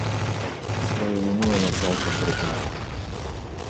Сваю віну яна цалкам прызнала.